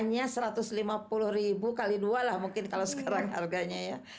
hanya satu ratus lima puluh ribu kali dua lah mungkin kalau sekarang harganya ya